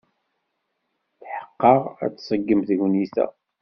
Tḥeqqeɣ ad tṣeggem tegnit-a.